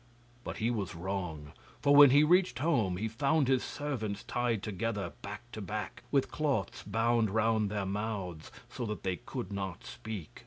But he was wrong, for when he reached home he found his servants tied together back to back with cloths bound round their mouths, so that they could not speak.